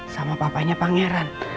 sama papanya pangeran